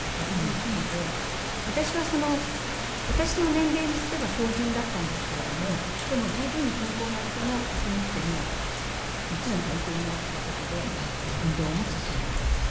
私は私の年齢にすれば標準だったんですけれどもでも十分に健康な人の骨密度にはもちろん足りていないっていう事で運動も勧められました。